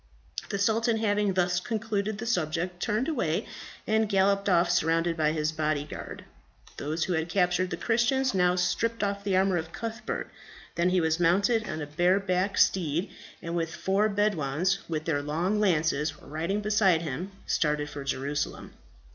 The sultan having thus concluded the subject, turned away, and galloped off surrounded by his body guard. Those who had captured the Christians now stripped off the armour of Cuthbert; then he was mounted on a bare backed steed, and with four Bedouins, with their long lances, riding beside him, started for Jerusalem.